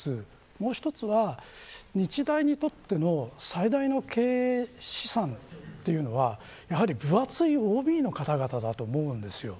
もう一つは日大にとっての最大の経営資産というのは分厚いＯＢの方々だと思うんです。